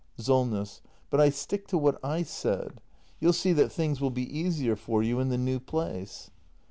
Solness. But I stick to what / said. You'll see that things will be easier for you in the new place.